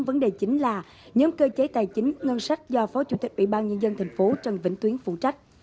vấn đề chính là nhóm cơ chế tài chính ngân sách do phó chủ tịch ubnd tp trần vĩnh tuyến phụ trách